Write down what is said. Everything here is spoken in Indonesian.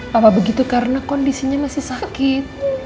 bahwa begitu karena kondisinya masih sakit